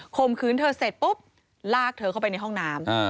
คืนเธอเสร็จปุ๊บลากเธอเข้าไปในห้องน้ำ